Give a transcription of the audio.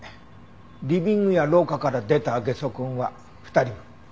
リビングや廊下から出たゲソ痕は２人分。